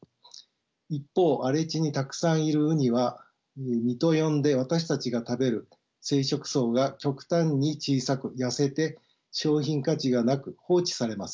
一方荒れ地にたくさんいるウニは身と呼んで私たちが食べる生殖巣が極端に小さく痩せて商品価値がなく放置されます。